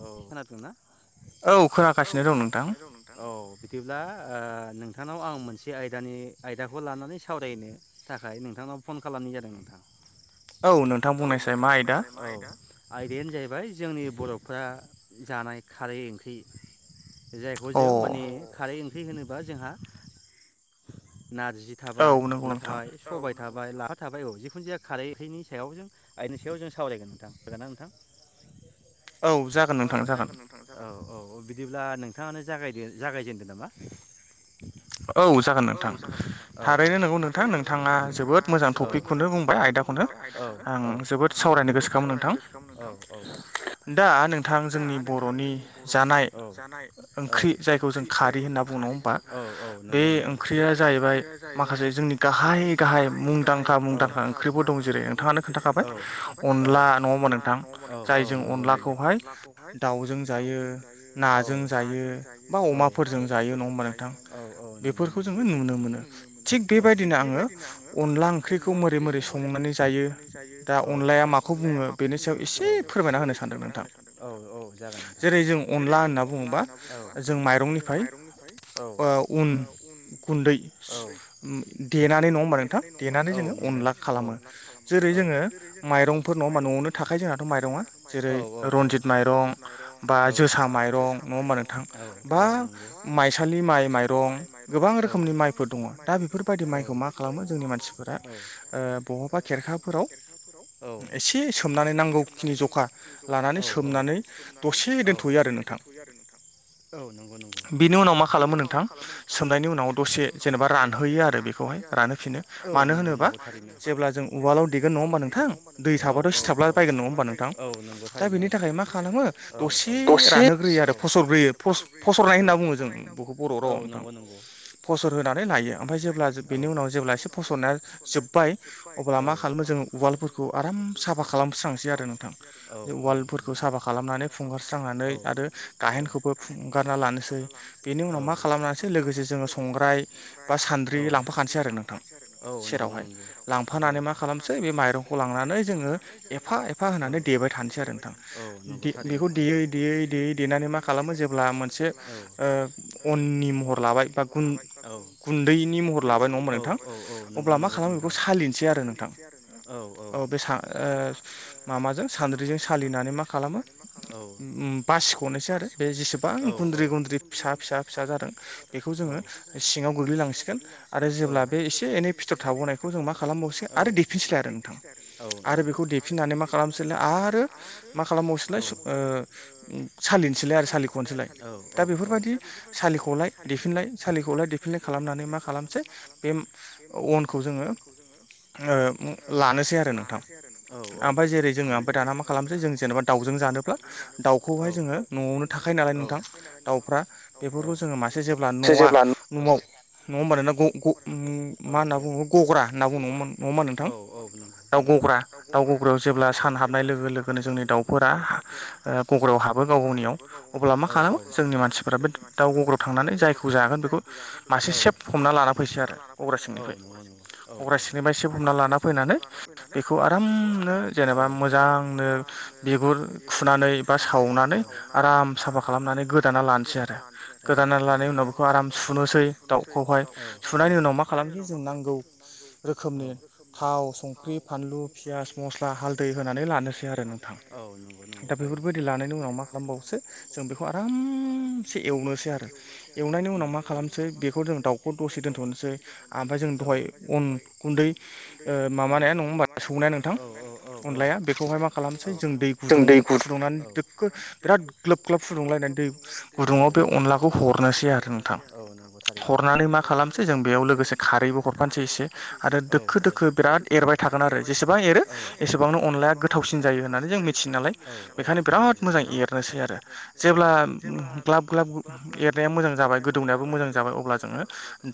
औ खोनादोंना? औ खोनागासिनो दं नोंथां औ बिदिब्ला ओ नोंथांनाव आं मोनसे आयदानि आयदाखौ लानानै सावरायनो थाखाय नोंथांनाव नाव फन खालामनाय जादों नोंथां। औ नोंथां [unintelligible] औ [unintelligible] बुंनायसाय मा आयदा आयदायानो जाहैबाय जोंनि बर' फ्रा जानाय खारै ओंख्रि जायखौ अ जों माने खारै ओं ख्रि होनोबा जोंहा नारजि औ थाबाय नंगौ अनला नोंथां थाबाय सबाय थाब बाय लाफा थाबाय औ जिखुन जाया खारै ओंख्रिनि सायाव जों आइनि सायाव जों सावरायगोन नोंथा। हागोन ना नोंथां? औ जागोन नोंथां जागोन [unintelligible] औ औ औ बि दिब्ला नोंथाङानो जागायद जागायजेनदों नामा? औ जा गोन नोंथां। थारैनो नोंगौ नोंथां नोंथाङा जोबोद मोजां टपिकखौनो बुंबाय आयदाखौनो। औ [unintelligible] आं औ जोबोद सावरायनो गोसोखामोन नोंथां औ दा नोंथां जोंनि बर'नि जानाय ओंख्रि जायखौ जों खारि होनना बुङो। नङा होमबा औ औ बे नंगौ ओंख्रिया जाहैबाय माखासे जोंनि गाहाय गाहाय मुंदांखा मुंदांखा ओंख्रिफोर दं जेरै नोंथाङानो खिथाबाय अनला नङा होमा नोंथां जायजों नोंथां अनलाखौहाय दाउजों जायो दाावजों जायो नाजों जायो नाजों जायो बा बा अमाफोरजों जायो नङा अमाफोरजों होमबा जायो नोंथां नङा बेफोरखौ जोङो नुनो मोनो थिग मोनो बेबायदिनो आङो अनला ओंख्रिखौ माबोरै माबोरै संनानै जायो अनलाया दा माखौ अनलाया बुङो माखौ बेनि सायाव बुङो एसे बेनोसायाव फोरमायना एसे होनो सानदों फोरमायना नोंथां होनो सानदों औ औ जागोन जेरै नोंथां जों जेरै अनला जों होनना अनला बुङोबा होनना बुङोबा जों माइरंनिफ्राय औ उन गुन्दै देनानै नङा होमबा नोंथां देनानै जोङो अनला खालामो जेरै जोङो माइरंफोर नङा न'आवनो थाखाय जोंनाथ' माइरङा जेरै रनजित माइरं बा जोसा माइरं नङा होनबा नोंथां बा माइसालि माइ माइरं गोबां रोखोमनि माइफोर दङ दा बेफोरबायदि माइखौ मा खालामो जोंनि मानसिफोरा ओ बहाबा खेरखाफोराव एसे सोमनानै नांगौखिनि जखा लानानै सोमनानै दसे औ दोनथ'यो आरो खौरसे नोंथां दोनथ'यो आरो नोंथां औ नंगौ नंगौ बेनि उनाव मा बेनि खालामो उनाव नोंथां मा खालामो नोंथां सोमनायनि उनाव सोमनायनि दसे उनाव जेनेबा दसे रानहोयो जेनेबा आरो बेखौहाय रानहोयो आरो रानहोफिनो बेखौहाय औ मानो नंगौ होनोबा नंगौ थारैनो जेब्ला जों जेब्ला उवालाव जों देगोन नङा उवालाव होमबा देगोन नङा होनबा दै नोंथां औ थाबाथ' औ सिथाबला बायगोन नङा होमबा सिथाबलारायगोन नोंथां औ नोंगौ थारैनो औ दा बेनि थाखाय खालामो मा खालाम दसे रानहोग्रोयो आरो फसरग्रोयो फसरनाय होनना बुङो जों बेखौ बर' रावाव नोंथां औ दसे [inaudible] फसर होनानै लायो ओमफ्राय जेब्ला बेनि उनाव जेब्ला एसे फसरनाया जोब्बाय अब्ला औ मा खालामो जों उवालफोरखौ आराम साफा खालामस्रांसै आरो नोंथां औ बे उवालफोरखौ नंगौ औ साफा खालामनानै फुगारस्रां स्रांनानै आरो औ औ गाहेनखौबो फुंगारना लानोसै बेनि उनाव मा खालामनानैसै लोगोसे जोङो सं संग्राय बा औ सान्द्रि लांफाखानोसै आरो नोंथां औ नंगौ सेरावह नंगौ औ लांफानानै मा खालामनोसै बे माइरंखौ लांनानै जोङो एफा एफा औ होनानै देबाय थानोसै आरो नोंथां औ नंगौ थारैनो बेखौ औ देयै देयै देयै देनानै मा खालामो जेब्ला मोनसे औ ओ अननि महर लाबाय गु गुन्दैनि महर लाबाय नङा होमबा नोंथां औ नंगौ अब्ला मा नंगौ खालामो बेखौ नोंथां सालिनोसै आरो नोंथां औ बे सा ओ माबाजों सान्द्रिजों सालिनानै मा खालामो औ औ बासिख'नोसै आरो बे जेसेबां गुन्द्रि गुन्द्रि फिसा फिसा फिसा जादों बे औ बेखौ जोङो सिङाव आरो गोग्लैलांसिगोन बे आरो एसे जेब्ला बे एनै फिथर एसे एनै थाबावनायखौ फिथर जों मा थाबोनायखौ जों मा खालामबावसिगोन आरो देफिनसैलाय आरो नोंथां देफिनसलाय औ आरो बेखौ आरो बेखौ देफिननानै मा देफिनानै मा खालामसैलाय आरो खालामसनो आरो मा खालामबावसैलाय ओ सालिनोसैलाय आरो सालिनोसैलाय सालिख'नोसैलाय दा आरो दा बेफोरबायदि सा सालिखौलाय देफिनलाय खालामनानै मा खालामसै बे अनखौ जोङो ओ लानोसै आरो नोंथां औ ओमफ्राय जेरै जोङो ओमफ्राय दाना मा खालामसै जों जेनेबा दाउजों जानोब्ला दाउखौहाय जोङो न'आवनो थाखायो नालाय नोंथां दाउफ्रा बेफोरखौ जोङो मासे जेब्लानो न'आ न'आव नङा दाउफ्रा होमबा नोंना ग ग मा होनना बुङो अमा गग्रा होनना बुङो नङा होनबा नोंथां औ-औ नंगौ दा नंगौ गग्रा दाउ गग्रायाव जेब्ला सान हाबनाय लोगो लोगोनो जोंनि दाउफोरा गग्रायाव हाबो गाव गाव अब्ला मा खालामो औ-औ-औ जोंनि मानसिफोरा बे दाव गग्रायाव थां खौ जागोन बेखौ मासे औ सेब हमना लाना फैसिगोन आरो गग्रा सिंनिफ्राय गग्रा सिंनिफ्राय सेब हम हमना लाना फैनानै बेखौ आरामनो जेनेबा मोजांनो बिगुर खु फुनानै बा सावनानै आराम साफा खालामनानै गोदाना लानोसै आरो औ औ बेनि उनाव बेखौ आराम सुनोसै दाउखौहाय औ सुनायनि उनाव मा खालामनोसै जों नांगौ रोखोमनि औ थाव संख्रि फानलु पियास मस्ला हालदै होनानै लानोसै आरो नोंथां औ नंगौ नंगौ दा थारैनो बेफोरबायदि लानायनि उनाव मा खालामबावोसो जों बेखौ आरामसे एवनोसै आरो एवनोसै आरो एवनायनि उनाव मा खालामनोसै बेखौ जों दाउखौ दसे दोन्थ'नोसै आमफाय जों दहाय अन गुन्दै ओ माबानाया नङा होनबा सौनाया नोंथां अनलाया नोंथां बेखौहाय मा खालामसै जों दै गुदुं फुदुंनानै दोखो बिराद ग्लोब ग्लोब फुदुंलायनानै दै गुदुंआव बे अनलाखौ हरनोसै [unintelligible] आरो नोंथां हरनोसै आरो हरनानै मा हरनानै खालामसै मा जों बेयाव खालामसै जों लोगोसे बेयाव खारैबो लोगोसे हरफानोसै खारैबो एसे हरफानोसै एसे आरो दोखो आरो दोखो बिराद दोखो एरबाय बिराद थागोन आरो एरबाय थागोन जेसेबां आरो एरो जेसेबां एरो एसेबांनो अनलाया एसेबांनो गोथावसिन अनलाया जायो होननानै गोथावसिन जों जायो मिथियो होननानै नालाय जों बिराद बेखायनो मोजां बिराद एरनोसै मोजां आरो एरनोसै आरो जेब्ला जेब्ला ग्लाब- एरनाया मोजां जाबाय गोदौनायाबो मोजां जाबाय अब्ला जोङो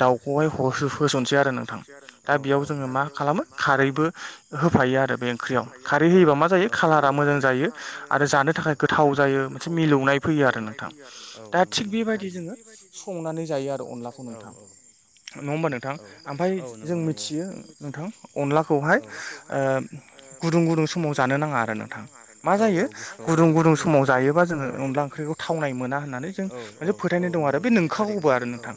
दाउखौहाय हहोसननोसै आरो नोंथां दा औ बे औ जोङो माखालामो खारैबो होफायो आरो बे ओंख्रियाव खारै होयोबा मा जायो खाालारा मोजां जायो। आरो जानो थाखाय गोथाव जायो मोनसे मिलौनाय फैयो आरो नोंथां दा थिग नोंथां बेबायदि जोङो संनानै जायो आरो अनलाखौ नोंथां‌। नङा होमबा नोंथां ओमफाय ओमफ्राय जों मिथियो नोंथां अनलाखौहाय ओ गुदुं गुदुं समाव जानो नाङा आरो नोंथां मा जायो गुदुं मा गुदुं समाव जायोबा जोङो अन्ला ओंखि थावनाय मोना होननानै जों मोनसे फोथाय नाय दं आरो बे नोंखागौबो आरो नोंथां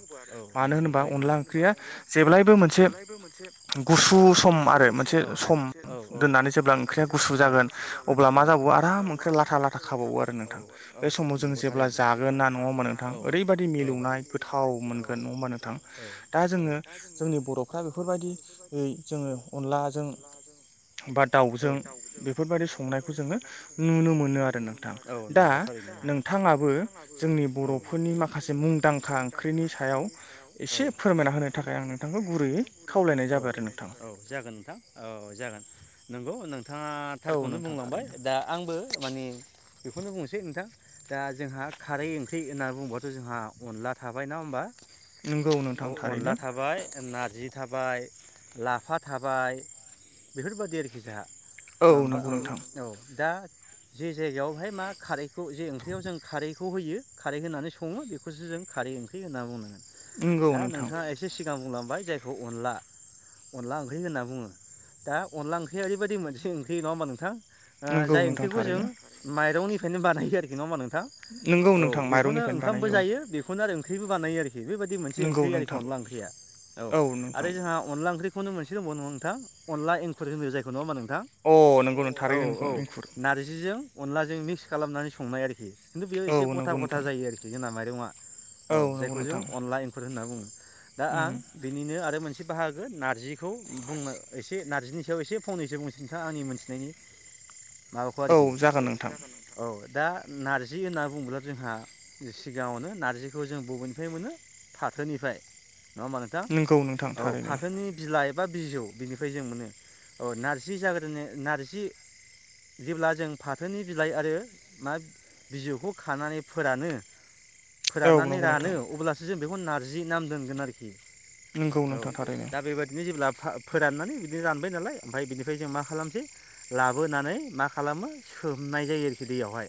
मानो होनोबा नोंथां अनला ओंख्रिया जेब्लायबो मोनसे गुसु सम आरो मोनसे सम दोननानै जेब्ला ओंख्रिया गुसु जागोन अब्ला मा जाबावो आराम ओंख्रि लाथ लाथा खाबावो आरो नोंथां बे समाव नोंथां जों जेब्ला जागोन ना नङा हबा नों -थां ओरैबायाददि मिलौनाय गोथाव मोनगोन नङा होमबा नोंथां दा जोङो जोंनि बर'फ्रा बेखौ बेफोरबायदि यै जोङो अनलाजों बा दाउजों बेफोरबायादि संनायखौ जोङो नुनो मोनो आरो नोंथां औ दा नंगौ नोंथाङाबो जों जोंनि बर'फोरनि माखासे मुंदांखा ओंख्रिनि सायाव एसे फोरमायना होनो थाखाय आं नोंथांखौ गुरैयै खावलाय जाबाय आरो नोंथां? औ नथाङाथारखौनो नोंथां बुंलांबाय थारैनो दा आंबो माने बेखौनो बुंनोसै नोंथां दा जोंहा खारै ओं ख्रि होनना बुंबाथ' जोंहा अनला थाबाय नङा होमबा नंगौ नोंथां अनला थारैनो थाबाय नारजि थाबाय लाफा थाबाय बेफोरबायादि आरोखि जाहा। [unintelligible] नंगौ नोंथां औ दा जे जायगायावहाय मा खारै खौ जे ओंख्रियाव जों खारैखौ होयो खारै होनानै सङो बेखौसो जों खारै ओंख्रि होनना बुंनांगोन। नंगौ दा नोंथां नोंथाङा एसे सिगां बुंलांबाय जायखौ अनला अनला ओंख्रि होन्ना बुङो। दा अनला ओंख्रिया ओरैबायदि मोनसे ओंख्रि नङा होनोमबा नोंथां। ओ नंगौ जाय नोंथां ओंख्रिखौ जों थारैनो माइरंनिफ्रायनो बानायो आरोखि नङा मा नों नोंगौ नों [unintelligible] बेखौनो ओंखामबो जायो बेखौनो आरो ओंख्रिबो बानायो आरोखि बेबायदि मोनसे नंगौ ओंख्रि आरोखि नोंथां अनला ओंख्रिया औ आरो जोंहा अनला ओख्रि [unintelligible] खौनो मोनसे दंबाव नङा अला एंखुर होनो जायखौ नङा होमबा नों थां अ नंगौ नों औ थारैनो नोंगौ औ एंखुर नारजिजों अनलाजों मिक्स खालामनानै संनाय आरोखि खिन्थु बेयाव औ एसे गथा नंगौ गथा नोंथां जायो आरोखि जोंना माइरंआ औ नंगौ जायखौ जों नोंथां अनला एंखुर होनना बुङो। दा आं उम बिनिनो आरो मोनसे बाहागो नारजिखौ बुंनो एसे नारजिनि सायाव एसे फंनैसो बुंनोसै नोंथाङा आंनि मोनथिनायनि माबाखौ औ आरोखि जागोन नोंथां औ दा नारजि होनना बुङोब्ला जोंहा सिगाङावनो नार्जिखौ जों बबेनिफ्राय मोनो फाथोनिफ्राय नङा होमबा नोंथां? नंगौ नोंथां औ थारैनो फाथोनि बिलाइ बा बिजौ बिनिफ्राय जों मोनो अ नार्जि जाग्रोनो नारजि जेब्ला जों फाथोनि बिलाइ आरो मा बिजौखौ खानानै फोरानो औ फोराननानै नंगौ रानो नोंथां अब्लासो जों बेखौ नार [unintelligible] जि नाम दोनगोन आरोखि नंगौ औ नोंथां थारैनो दा बेबायदिनो जेब्ला फा [unintelligible] फोराननानै बिदि रानबाय नालाय ओमफ्राय बिनिफ्राय जों मा खालामसै लाबोनानै मा खालामो सोम नाय जायो आरोखि दैयावहाय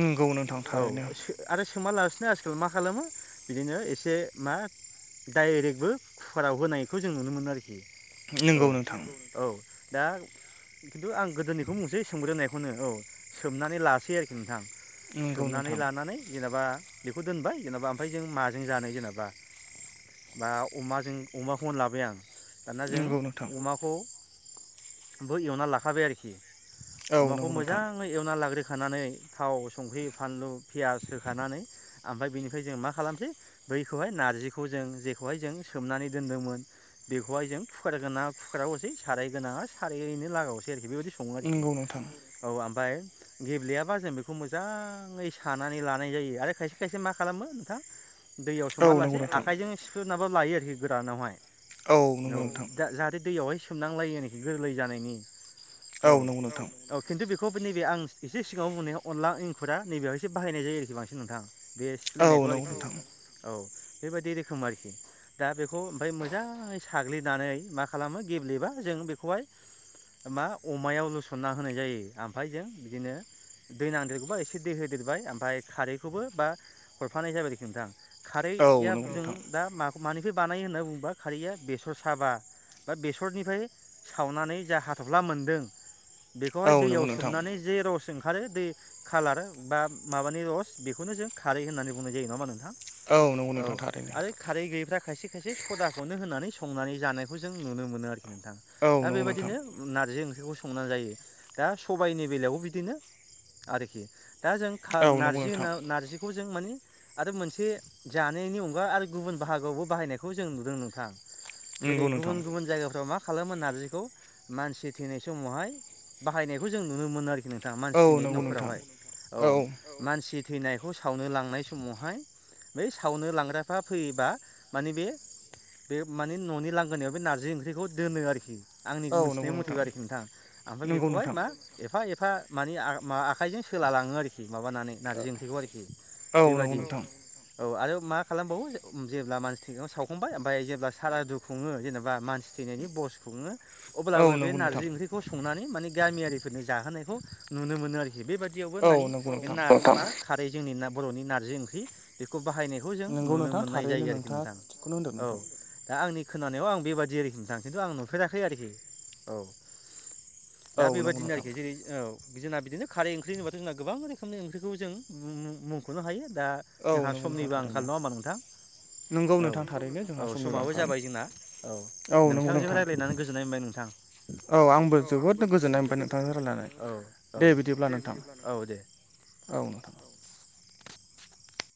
नंगौ नोंथां औ थारैनो आरो सोमालासिनो आजखालि मा खालामो बिदिनो एसे मा डाइरेकबो खुखाराव होनायखौ जों नुनो मोनो आरोखि। औ नंगौ नोंथां औ। दा खिन्थु आं गोदोनिखौ बुंनोसै सोमग्रोनायखौनो। औ। सोमनानै लासै आरोखि नोंथां। नंगौ सोमनानै नोंथां लानानै जेनेबा बेखौ दोनबाय जेनेबा ओमफाय जों माजों जानो जेनेबा? बा अमाजों अमाखौनो लाबाय आं। दाना जों नंगौ नोंथां अमाखौबो एवना लाखाबाय आरोखि औ अमाखौ नंगौ नोंथां मोजाङै एवना लाग्रोखानानै थाव, संख्रि, फानलु, फियास होखानानै ओमफाय बेनिफाय जों मा खालामनोसै बैखौहाय नारजिखौ जों खोहाय जों सोमनानै दोनदोंमोन। बेखौहाय जों खुखार गोनाङा खुखाराव होनोसै, साराय गोनाङा साराय यैनो लागावसै आरोखि, बेबायदि सङो आरोखि, नंगौ नोंथां औ आमफाय गेब्लेयाबा जों बेखौ मोजां यै सानानै लानाय जायो आरो खायसे खायसे मा खालामो नोंथां दैयाव सोमा औ नंगौ लासे नोंथां आखाइजोंनो सिफ्लुनाबा लायो आरोखि गोरानावहाय। नंगौ औ नोंथां दा जाहाथे दैयावहाय सोमनांलायै आरोखि गोरलै जानायनि। औ नंगौ नोंथां औ खिन्थु बेखौ नैबे आं एसे सिगाङाव बुंनाया अनला एंखुरा नैबेहायसो बाहायनाय जायो आरोखि बांसिन नोंथां बे औ सिफ्लेनायखौ नंगौ आरोखि नोंथां औ। बेबायदि रोखोम आरोखि। दा बेखौ ओमफाय मोजाङै साग्लिनानै मा खालामो गेब्लेबा जों बेखौहाय मा अमायाव लुसनना होनाय जायो आमफाय जों बिदिनो दै नांदेरगौबा ए से दै होदेरबाय ओमफाय खारैखौबो बा हरफानाय जाबाय आरोखि नोंथां। औ खारैया नंगौ जों नोंथां दा मा-मानिफाय बानायो होनना बुङोबा खारैया बेसर साबा बा बेसरनिफाय सावनानै जा हाथ'फ्ला मोनदों बेखौहाय औ दैयाव नंगौ नोंथां सोमनानै जे रस ओंखारो दै खालार बा माबानि रस बेखौनो जों खारै होननानै बुंनाय जायो, नङा होमबा नोंथां? नंगौ औ नोंथां थारैनो आरो खारै गैयैफ्रा खायसे खायसे सदाखौनो होनानै संनानै जानायखौ जों नुनो मोनो आरो नोंथा। औ दा नंगौ नोंथां बेबादिनो नारजि ओं बेखौ संना जायो दा सबाइनि बेलायावबो बिदिनो आरोखि दा जों खा औ नंगौ नारजि नोंथां होना नारजिखौ जों माने आरो मोनसे जानायनि अनगा आरो गुबुन बाहागोआवबो बाहायनायखौ जों नुदों नोंथां। जेरै नंगौ नोंथां गुबुन गुबुन जायगाफ्राव मा खालामो नारजिखौ मानसि थैनाय समावहाय बाहायनायखौ जों नुनो मोनो आरोखि नों - दा औ मानसि थैनायनि नंगौ नोंथां न'खरावहाय। औ मानसि थैनायखौ सावनो लांनाय समावहाय बै सावनो लांग्राफ्रा फैयोबा माने बे बे माने न'नि लांगोनायाव बे नारजि ओंख्रिखौ दोनो आरोखि। आंनि औ नंगौ मोनथिनाय मथेबा आरोखि नोंथां। ओमफाय नंगौ बेखौहाय नोंथां मा एफा एफा माने मा आखाइजों सोलालाङो आरोखि माबानानै नारजि ओंख्रिखौ आरोखि औ नंगौ बेबादि। नोंथां औ आरो मा खालामबावो जेब्ला मानसि थै सावखांबाय ओमफाय जेब्ला सारादु खुङो जेनेबा मानसि थैनायनि ब बस खुङो औ अब्लाबो बे नंगौ नारजि नोंथां ओंख्रिखौ संनानै माने गामियारिफोरनो जाहोनायखौ नुनो मोनो आरोखि बेबा दियावबो औ होननानै नंगौ नोंथां [unintelligible] खारै जोंनि ना बर'नि नारजि ओंख्रि बेखौ बाहायनायखौ जों नंगौ नुनो नोंथां मोननाय जायो थारैनो आरोखि नोंथाङा नोंथां। थिगखौनो होनदों औ नोंथां दा आंनि खोनानायाव आं बेबादि आरोखि नोंथां। खिन्थु आं नुफेराखै आरोखि औ। औ दा नंगौ बेबादिनो नोंथां आरोखि जेरै औ जोंना बिदिनो खारै ओंख्रि होनोबा जोंना गोबां रोखोमनि ओंख्रिखौ जों मुं-मुंख'नो हायो। दा औ जोंहा नंगौ नोंथां समनिबो आंखाल, थारैनो नङा होमबा नोंथां? नंगौ औ नोंथां थारैनो औ जोंहा समनिबो समाबो आंखाल जाबाय जोंना औ नंगौ नोंथांजों नोंथां रायलायनानै गोजोननाय मोनबाय नोंथां। औ आंबो जोबोद गोजोननाय मोनबाय नोंथांजों रायलायनानै दे रायज्लायनानै बिदिब्ला नोंथां। नोंथां। औ नोंथां।